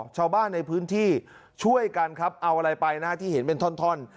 ชาวบ้านในพื้นที่ช่วยกันครับเอาอะไรไปนะฮะที่เห็นเป็นท่อน